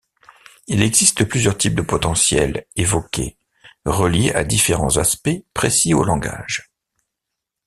Il existe plusieurs types de potentiels évoqués reliés à différents aspects précis au langage.